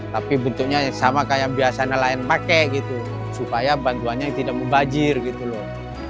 tapi bentuknya sama kayak biasa nelayan pakai gitu supaya bantuannya tidak membajir gitu loh